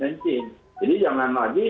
jadi jangan lagi